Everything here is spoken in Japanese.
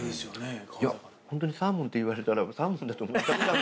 いやホントにサーモンって言われたらサーモンだと思っちゃう。